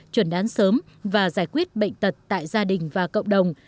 chuẩn đoán sớm và giải quyết bệnh tật tại gia đình và cộng đồng